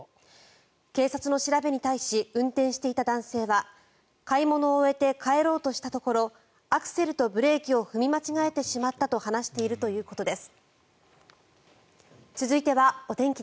警察の調べに対し運転していた男性は買い物を終えて帰ろうとしたところアクセルとブレーキを踏み間違えてしまったと話しているということです。